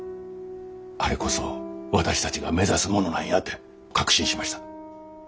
あれこそ私たちが目指すものなんやて確信しました。